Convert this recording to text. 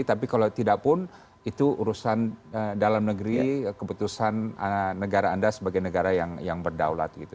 tapi kalau tidak pun itu urusan dalam negeri keputusan negara anda sebagai negara yang berdaulat gitu